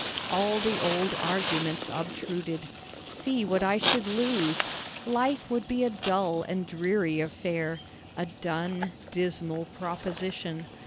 All the old arguments obtruded. See what I should lose! Life would be a dull and dreary affair a dun, dismal proposition.